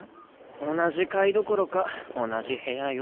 同じ階どころか同じ部屋よ。